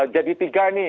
jadi tiga nih